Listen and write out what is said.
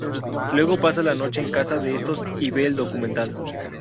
Luego pasa la noche en casa de estos y ve el documental.